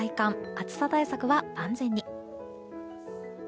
暑さ対策は万全に。